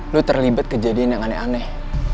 lu terlibat kejadian yang aneh aneh